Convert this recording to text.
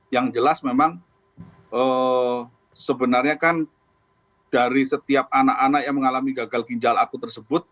yang jelas memang sebenarnya kan dari setiap anak anak yang mengalami gagal ginjal akut tersebut